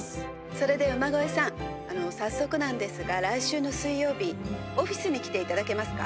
「それで馬越さん早速なんですが来週の水曜日オフィスに来ていただけますか？」。